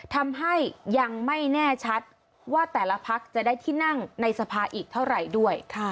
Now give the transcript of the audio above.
ทำให้ยังไม่แน่ชัดว่าแต่ละพักจะได้ที่นั่งในสภาอีกเท่าไหร่ด้วย